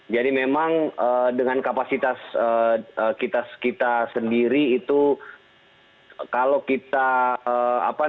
jadi memang dengan kapasitas kita sendiri itu kalau kita apa namanya tentu nggak bakalan bisa merangkul semuanya juga kan